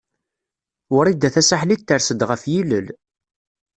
Wrida Tasaḥlit ters-d ɣef yilel.